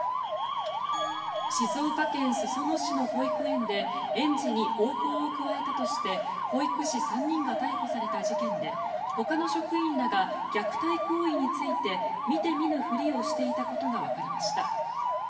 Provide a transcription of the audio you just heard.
静岡県裾野市の保育園で園児に暴行を加えたとして保育士３人が逮捕された事件でほかの職員らが虐待行為について見て見ぬふりをしていたことがわかりました。